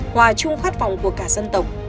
hòa chung khát vọng của cả dân tộc